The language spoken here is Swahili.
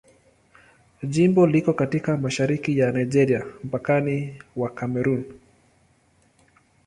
Jimbo liko katika mashariki ya Nigeria, mpakani wa Kamerun.